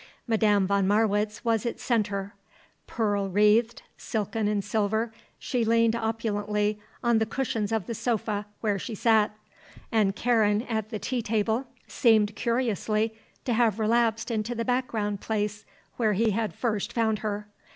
Madame von Marwitz was its centre; pearl wreathed, silken and silver, she leaned opulently on the cushions of the sofa where she sat, and Karen at the tea table seemed curiously to have relapsed into the background place where he had first found her.